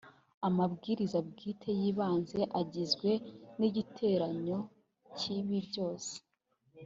amabwiriza bwite y’ibanze agizwe n’igiteranyo cy’ibi byose